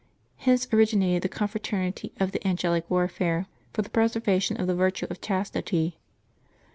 Hence originated the Confraternity of the " An gelic Warfare," for the preservation of the virtue of chas tity.